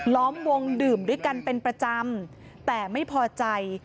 ล้อมวงดื่มด้วยกันเป็นประจำแต่ไม่พอใจ